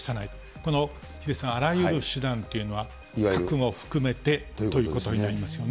この、ヒデさん、あらゆる手段というのは、核も含めてということになりますよね。